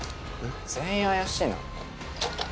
全員怪しいな。